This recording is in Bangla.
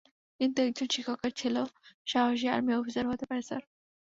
কিন্তু একজন শিক্ষকের ছেলেও সাহসী আর্মি অফিসার হতে পারে, স্যার।